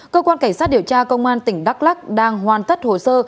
cơ quan cảnh sát điều tra công an tỉnh đắk lắc đang hoàn tất hồ sơ